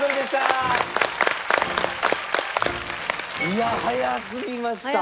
いや早すぎました。